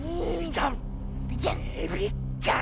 エビちゃん！